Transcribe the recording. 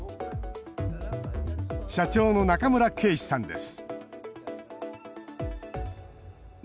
社長の中村圭志さんです